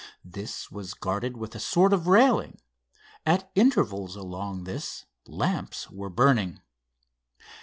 This was guarded with a sort of railing. At intervals along this lamps were burning.